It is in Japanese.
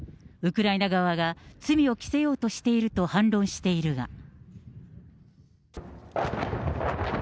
ウクライナ側が罪を着せようとしていると反論しているが。